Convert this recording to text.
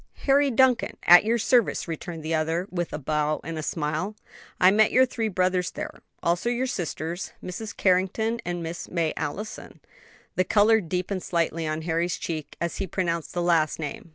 "Harry Duncan, at your service," returned the other, with a bow and smile. "I met your three brothers there, also your sisters, Mrs. Carrington and Miss May Allison." The color deepened slightly on Harry's cheek as he pronounced the last name.